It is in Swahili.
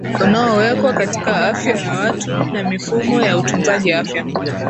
unaowekwa katika afya ya watu na mifumo ya utunzaji afya